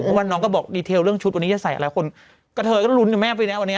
เพราะว่าน้องก็บอกรายละเอียดเรื่องชุดวันนี้จะใส่อะไรคนกระเทยก็รุ้นอยู่แม่ไปแล้ววันนี้